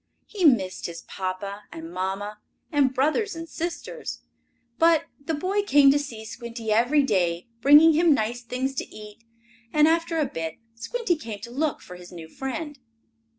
He missed his papa and mamma and brothers and sisters. But the boy came to see Squinty every day, bringing him nice things to eat, and, after a bit, Squinty came to look for his new friend.